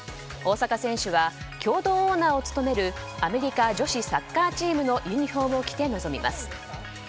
大坂選手は共同オーナーを務めるアメリカ女子サッカーチームのユニホームを着て臨みます。